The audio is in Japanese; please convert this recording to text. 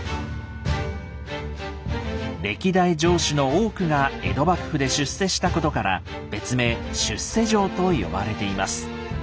歴代城主の多くが江戸幕府で出世したことから別名「出世城」と呼ばれています。